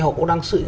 họ cũng đang sự